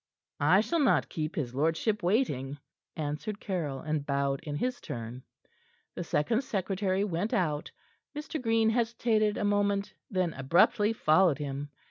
"I shall not keep his lordship waiting," answered Caryll, and bowed in his turn. The second secretary went out. Mr. Green hesitated a moment, then abruptly followed him.